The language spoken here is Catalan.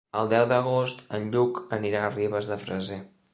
El deu d'agost en Lluc anirà a Ribes de Freser.